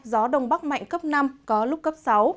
gió đông bắc mạnh cấp năm có lúc cấp sáu